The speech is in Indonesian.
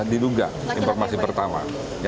diduga informasi pertama